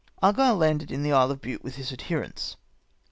Argile landed in the Isle of Bute with his adherents.